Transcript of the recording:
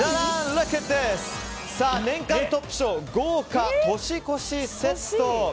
年間トップ賞、豪華年越しセット。